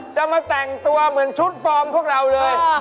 จะมาแต่งตัวเหมือนชุดฟอร์มพวกเราเลย